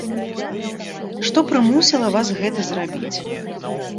Што прымусіла вас гэта зрабіць?